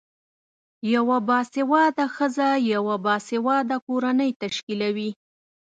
یوه باسیواده خځه یوه باسیواده کورنۍ تشکلوی